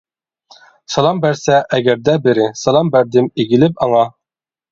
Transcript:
سالام بەرسە ئەگەردە بىرى، سالام بەردىم ئېگىلىپ ئاڭا.